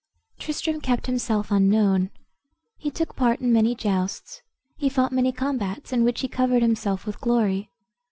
Tristram kept himself unknown. He took part in many justs; he fought many combats, in which he covered himself with glory.